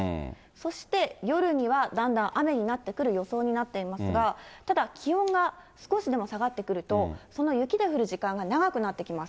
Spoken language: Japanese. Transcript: そして夜には、だんだん雨になってくる予想になっていますが、ただ、気温が少しでも下がってくると、その雪で降る時間が長くなってきます。